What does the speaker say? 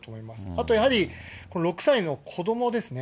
あとやはり、この６歳の子どもですね。